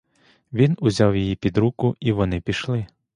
Він узяв її під руку, і вони пішли.